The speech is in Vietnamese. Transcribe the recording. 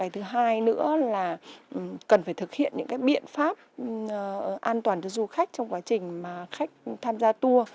thứ hai nữa là cần phải thực hiện những biện pháp an toàn cho du khách trong quá trình mà khách tham gia tour